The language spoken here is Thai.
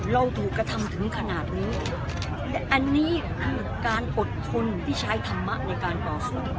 เราถูกกระทำถึงขนาดนี้อันนี้คือการอดทนที่ใช้ธรรมะในการต่อสู้